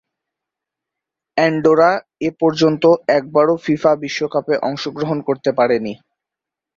Andorra এপর্যন্ত একবারও FIFA বিশ্বকাপে অংশগ্রহণ করতে পারেনি।